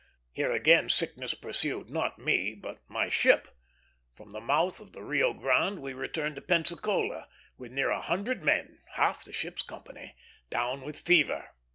Here again sickness pursued, not me, but my ship; from the mouth of the Rio Grande we returned to Pensacola, with near a hundred men, half the ship's company, down with fever.